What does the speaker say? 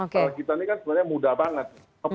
kalau kita ini kan sebenarnya mudah banget